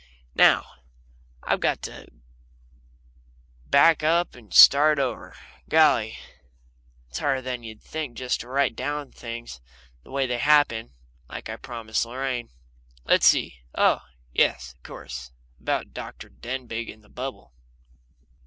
Now, I've got to back up and start over. Golly! it's harder than you'd think just to write down things the way they happened, like I promised Lorraine. Let's see Oh yes, of course about Dr. Denbigh and the bubble.